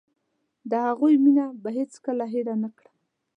د هغوی مينه به هېڅ کله هېره نکړم.